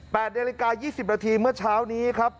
นาฬิกายี่สิบนาทีเมื่อเช้านี้ครับ